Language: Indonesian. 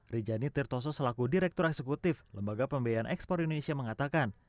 rijani tirtoso selaku direktur eksekutif lembaga pembiayaan ekspor indonesia mengatakan